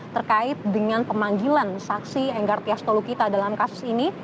terkait dengan pemanggilan saksi enggartia stolokita dalam kasus ini